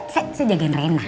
saya jagain ren nah